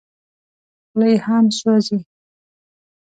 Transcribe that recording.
خوله یې هم سوځي .